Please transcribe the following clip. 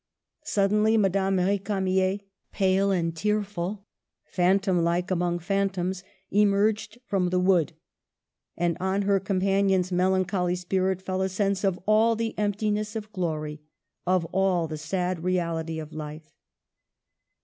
Suddenly Madame R6camier, pale and tearful, phantom like among phantoms, emerged from the wood. And on her companion's melancholy spirit fell a sense of all the emptiness of glory, of all the sad reality of life.